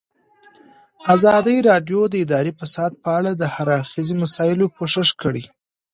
ازادي راډیو د اداري فساد په اړه د هر اړخیزو مسایلو پوښښ کړی.